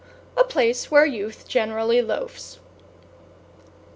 A place where youth generally loafs.